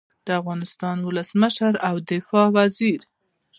د افغانستان ولسمشر او د دفاع وزیر